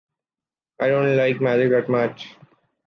I don’t like magic that much.